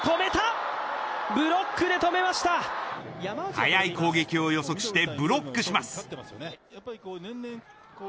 速い攻撃を予測してブロックします。